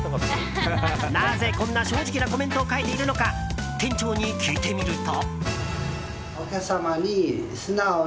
なぜこんな正直なコメントを書いているのか店長に聞いてみると。